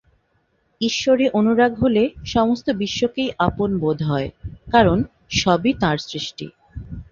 ঈশ্বরে অনুরাগ হলে সমস্ত বিশ্বকেই আপন বোধ হয়, কারণ সবই তাঁর সৃষ্টি।